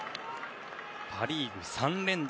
パ・リーグ３連打。